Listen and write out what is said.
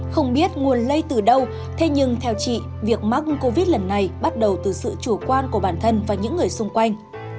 không biết nguồn lây từ đâu thế nhưng theo chị việc mắc covid lần này bắt đầu từ sự chủ quan của bản thân và những người xung quanh